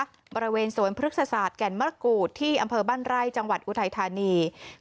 เป็นบริเวณสวนผศศาสตร์แก่มรกูธที่อำเภอบั้นไร่จังหวัดธนาภาพอูเทชาอุถัยธรรรนี